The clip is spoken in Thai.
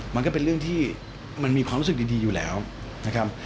มันก็เป็นเรื่องที่มันมีความรู้สึกดีอยู่แล้วนะครับ